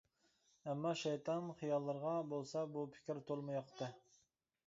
ئەمما شەيتان خىياللىرىغا بولسا بۇ پىكىر تولىمۇ ياقتى.